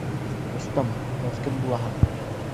Ҡустым, һеҙ кем булаһығыҙ?